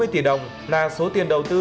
bảy trăm bốn mươi tỷ đồng là số tiền đầu tư